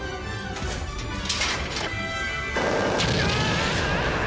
うわ‼